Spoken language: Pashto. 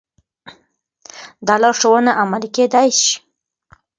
دا لارښوونه عملي کېدای شي.